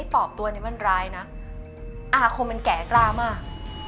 ไอ้ปอปตัวนี้มันร้ายนะอาคมเนี่ยมันแก๋กรามาก